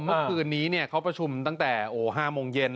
เมื่อคืนนี้เขาประชุมตั้งแต่๕โมงเย็น